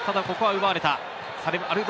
ここは奪われた。